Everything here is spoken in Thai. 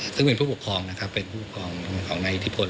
ซึ่งเป็นผู้ปกครองนะครับเป็นผู้ปกครองของนายอิทธิพล